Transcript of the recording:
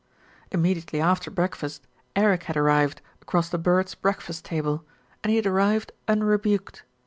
Immediately after breakfast Eric had arrived across the "birds' breakfast table," and he had arrived unre buked.